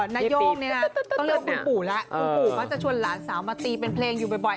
นาย่งเนี่ยนะก็เลือกคุณปู่แล้วคุณปู่เขาจะชวนหลานสาวมาตีเป็นเพลงอยู่บ่อย